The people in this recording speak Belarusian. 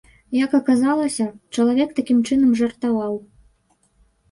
Як аказалася, чалавек такім чынам жартаваў.